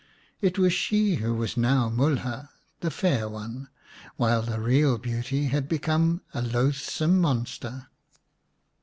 It was she who was now Mulha, " the Fair One," while the real beauty had become a loathsome monster.